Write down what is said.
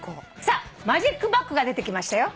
マジックバッグが出てきましたよ。